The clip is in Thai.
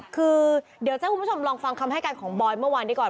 คือเดี๋ยวจะให้คุณผู้ชมลองฟังคำให้การของบอยเมื่อวานนี้ก่อน